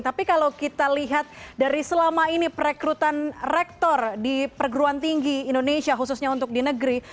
tapi kalau kita lihat dari selama ini perekrutan rektor di perguruan tinggi indonesia khususnya untuk di negeri